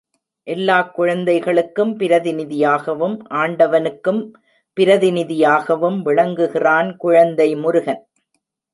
எல்லாக் குழந்தைகளுக்கும் பிரதிநிதியாகவும், ஆண்டவனுக்கும் பிரதிநிதியாகவும் விளங்குகிறான் குழந்தை முருகன்.